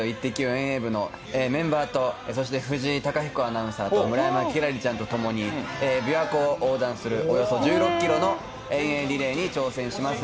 遠泳部のメンバーと、そして藤井貴彦アナウンサーと、村山輝星ちゃんと共に琵琶湖を横断するおよそ１６キロの遠泳リレーに挑戦します。